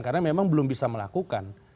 karena memang belum bisa melakukan